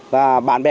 và bạn bè